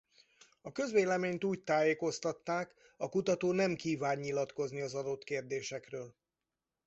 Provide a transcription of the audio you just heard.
A közvéleményt úgy tájékoztatták a kutató nem kíván nyilatkozni az adott kérdésekről.